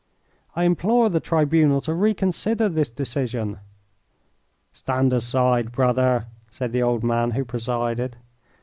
"I implore the tribunal to reconsider this decision." "Stand aside, brother," said the old man who presided.